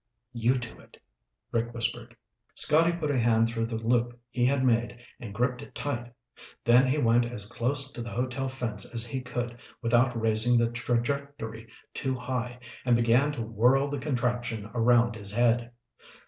"You do it," Rick whispered. Scotty put a hand through the loop he had made and gripped it tight, then he went as close to the hotel fence as he could without raising the trajectory too high and began to whirl the contraption around his head.